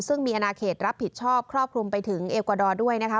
ซึ่งมีอนาเขตรับผิดชอบครอบคลุมไปถึงเอลกวาดอร์ด้วยนะคะ